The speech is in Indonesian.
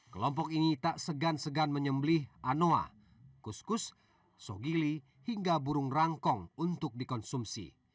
kelompok ini tak segan segan menyembelih anoa kus kus sogili hingga burung rangkong untuk dikonsumsi